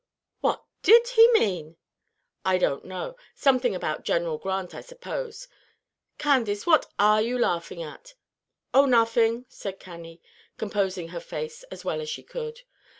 '" "What did he mean?" "I don't know. Something about General Grant, I suppose. Candace, what are you laughing at?" "Oh, nothing," said Cannie, composing her face as well as she could.